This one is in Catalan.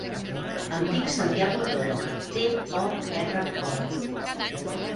Em dic Santiago Toro: te, o, erra, o.